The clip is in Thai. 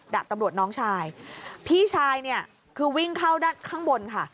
ดาบตำรวจน้องชายพี่ชายเนี่ยคือวิ่งเข้าด้านข้างบนค่ะ